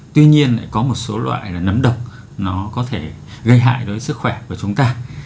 tuy nhiên có một số loại nấm độc có thể gây hại đối với sức khỏe của chúng ta